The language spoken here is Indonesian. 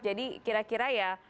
jadi kira kira ya